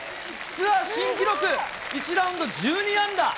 ツアー新記録、１ラウンド１２アンダー。